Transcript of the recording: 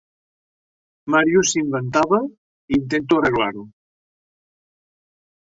Màrius s'inventava i intento arreglar-ho.